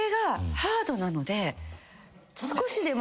少しでも。